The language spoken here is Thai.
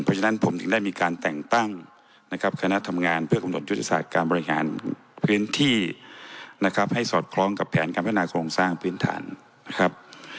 เพราะฉะนั้นผมถึงได้มีการแต่งตั้งนะครับคณะทำงานเพื่อกำหนดยุทธศาสตร์การบริหารพื้นที่นะครับให้สอดคล้องกับแผนการพัฒนาโครงสร้างพื้นฐานนะครับ